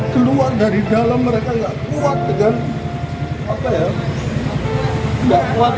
keluar dari dalam mereka enggak kuat dengan